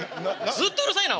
ずっとうるさいな！